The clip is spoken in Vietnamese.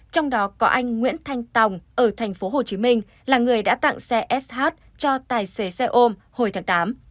trong đó có anh nguyễn thanh tòng ở tp hcm là người đã tặng dự án